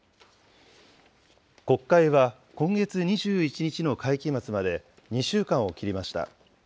国会は、今月２１日の会期末まで２週間を切りました。